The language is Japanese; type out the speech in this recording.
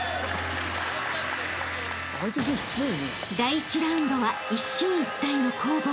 ［第１ラウンドは一進一退の攻防］